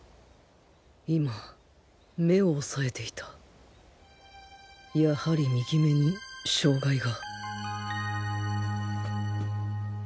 今目を押さえていたやはり右目に障害が